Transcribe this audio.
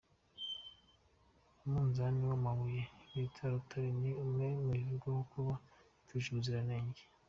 Umunzani w’ amabuye bita rutare ni umwe mu ivugwaho kuba itujuje ubuziranenge.